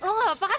nih lu ngerti gak